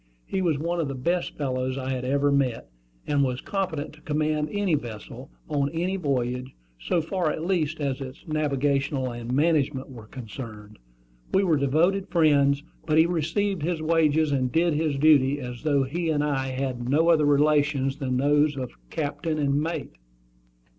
He was one of the best fellows I had ever met, and was competent to command any vessel, on any voyage, so far at least as its navigation and management were concerned. We were devoted friends; but he received his wages and did his duty as though he and I had had no other relations than those of captain and mate.